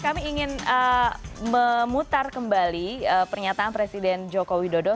kami ingin memutar kembali pernyataan presiden joko widodo